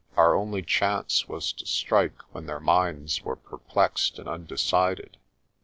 Our only chance was to strike when their minds were perplexed and undecided.